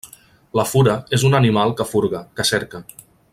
La fura és un animal que furga, que cerca.